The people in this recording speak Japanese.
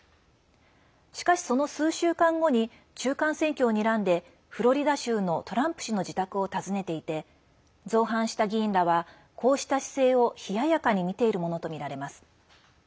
しかし、その数週間後に中間選挙をにらんでフロリダ州のトランプ氏の自宅を訪ねていて造反した議員らはこうした姿勢を冷ややかに見ているものとみられます。